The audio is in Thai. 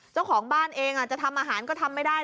เจ้าของบ้านเองจะทำอาหารก็ทำไม่ได้